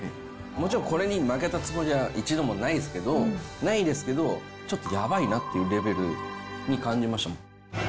もちろんこれに負けたつもりは一度もないですけど、ないですけど、ちょっとやばいなっていうレベルに感じましたもん。